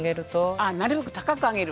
あっなるべく高く上げる。